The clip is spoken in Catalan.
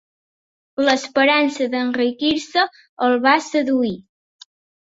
L'esperança d'enriquir-se el va seduir.